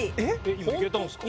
今いけたんすか？